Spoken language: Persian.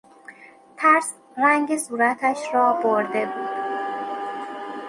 ترس رنگ صورتش را برده بود.